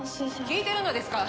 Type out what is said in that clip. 聞いてるのですか？